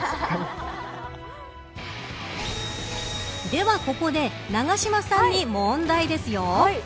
ではここで永島さんに問題ですよ。